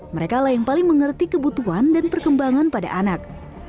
mereka lah yang paling mengerti kebutuhan dan perkembangan pada anak